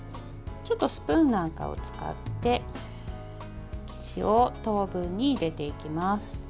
ちょっとスプーンなんかを使って生地を等分に入れていきます。